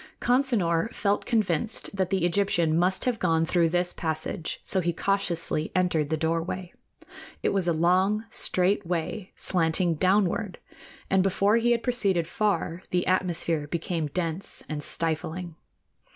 Consinor felt convinced that the Egyptian must have gone through this passage, so he cautiously entered the doorway. It was a long, straight way, slanting downward, and before he had proceeded far, the atmosphere became dense and stifling.